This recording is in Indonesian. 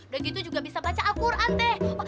udah gitu juga bisa baca al quran teh